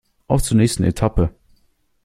Auf zur nächsten Etappe!